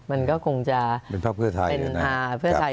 มันก็คงจะเป็นมากเพื่อไทยนะครับเป็นภาพเพื่อไทย